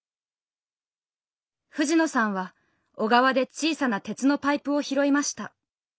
藤野さんは小川で小さな鉄のパイプを拾いました。